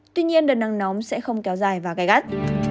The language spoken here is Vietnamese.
tuy nhiên đợt nắng nóng sẽ không kéo dài và gai gắt